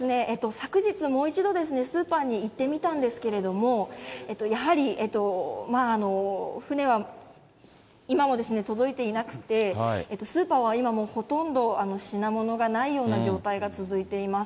昨日、もう一度スーパーに行ってみたんですけれども、やはり船は今も届いていなくて、スーパーは今もうほとんど品物がないような状態が続いています。